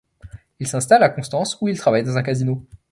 Il s’installe à Constance où il travaille dans un casino.